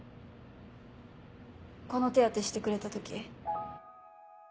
この手当てしてくれた時。